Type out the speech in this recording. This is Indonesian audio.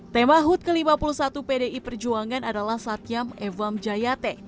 tema hud ke lima puluh satu pdi perjuangan adalah satyam evam jayate